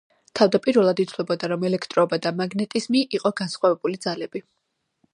თავდაპირველად ითვლებოდა რომ, ელექტროობა და მაგნეტიზმი იყო განსხვავებული ძალები.